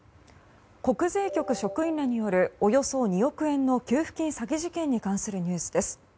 国税局職員らによるおよそ２億円の給付金詐欺事件に関するニュースです。